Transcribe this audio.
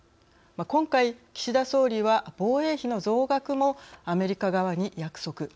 今回、岸田総理は防衛費の増額もアメリカ側に約束。